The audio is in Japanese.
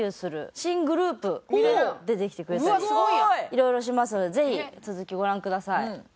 いろいろしますのでぜひ続きご覧ください。